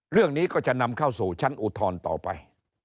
เรื่องนี้ก็จะนำเข้าสู่ชั้นอุทธรณ์ต่อไป